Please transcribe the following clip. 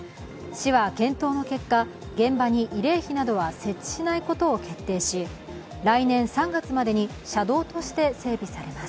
市は検討の結果、現場に慰霊碑などは設置しないことを決定し来年３月までに車道として整備されます。